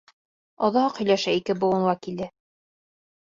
Оҙаҡ һөйләшә ике быуын вәкиле.